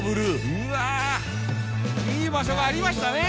うわいい場所がありましたね！